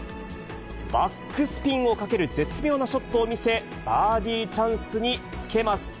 バックスピンをかける絶妙なショットを見せ、バーディーチャンスにつけます。